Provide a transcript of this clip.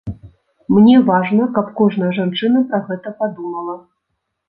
Мне важна, каб кожная жанчына пра гэта падумала.